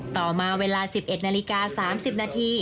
ต่อมาเวลา๑๑นาฬิกา๓๐นาที